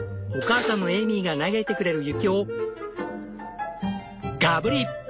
お母さんのエイミーが投げてくれる雪をガブリ！